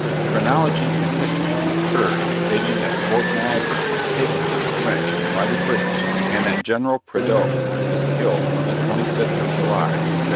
Chronology and history concur in stating that Fort Niagara was taken from the French, by the British, and that Gen. Prideaux was killed on the 25th of July, 1759.